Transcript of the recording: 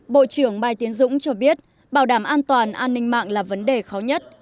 bộ trưởng mai tiến dũng cho biết bảo đảm an toàn an ninh mạng là vấn đề khó nhất